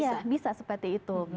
iya bisa seperti itu